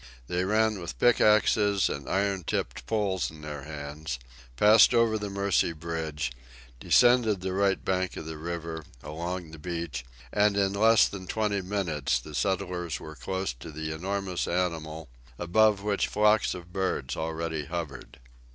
They ran with pick axes and iron tipped poles in their hands, passed over the Mercy bridge, descended the right bank of the river, along the beach, and in less than twenty minutes the settlers were close to the enormous animal, above which flocks of birds already hovered.